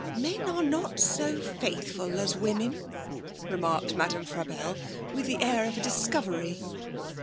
'Men are not so faithful as women,' remarked Madame Frabelle, with the air of a discovery.